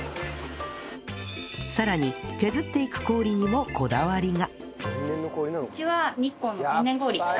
さらに削っていく氷にもこだわりが！